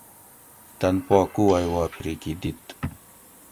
تۤن پا کُووئ وا پھریکی دِت